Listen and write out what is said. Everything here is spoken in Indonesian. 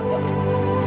tolongin dia sus